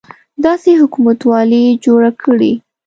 داسې حکومتولي جوړه کړي.